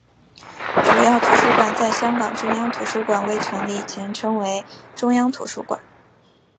主要图书馆在香港中央图书馆未成立前称为中央图书馆。